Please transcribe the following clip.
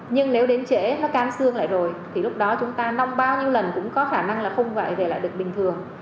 nhưng nếu đến trễ nó can xương lại rồi thì lúc đó chúng ta nong bao nhiêu lần cũng có khả năng là không vậy về lại được bình thường